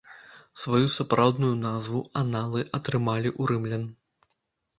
Сваю сапраўдную назву аналы атрымалі ў рымлян.